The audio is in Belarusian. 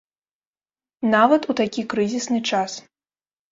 Нават у такі крызісны час.